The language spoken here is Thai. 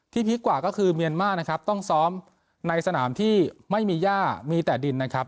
พีคกว่าก็คือเมียนมานะครับต้องซ้อมในสนามที่ไม่มีย่ามีแต่ดินนะครับ